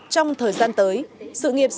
trong thời gian tới sự nghiệp sẽ